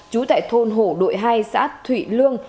chú tại thôn hổ đội hai xã thủy lương